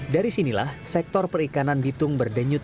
dari sinilah sektor perikanan bitung berdenyut